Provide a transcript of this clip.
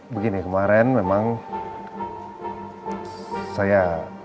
begini kemarin memang saya